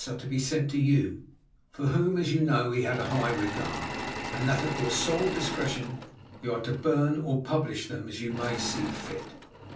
are to be sent to you (for whom, as you know, he had a high regard), and that at your sole discretion you are to burn or publish them as you may see fit.